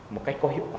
một cách có hiệu quả